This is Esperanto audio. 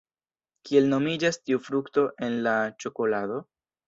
Kiel nomiĝas tiu frukto en la ĉokolado?